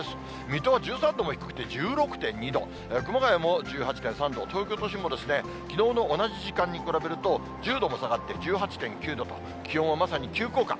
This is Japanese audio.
水戸は１３度も低くて１６．２度、熊谷も１８．３度、東京都心もきのうの同じ時間に比べると、１０度も下がって１８．９度と、気温はまさに急降下。